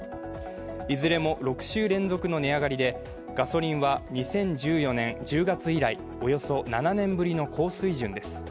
いずれも６週連続の値上がりでガソリンは２０１４年１０月以来、およそ７年ぶりの高水準です。